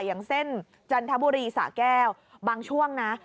อย่างเส้นจันทบุรีสะแก้วบางช่วงนะ